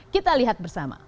kita lihat bersama